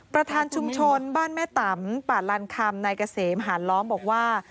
ประธานชุมชนบ้านแม่ตำป่าลันคำนายเกษมหานล้อมบอกว่า